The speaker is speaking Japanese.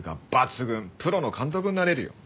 プロの監督になれるよ。